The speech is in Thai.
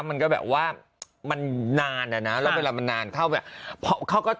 มันก็แบบว่ามันนานนะแล้วเวลามันนานเข้าไป